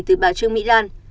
từ bà trương mỹ lan